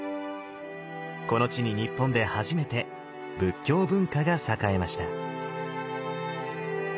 この地に日本で初めて仏教文化が栄えました。